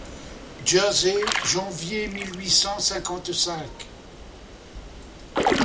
Jersey, janvier mille huit cent cinquante-cinq.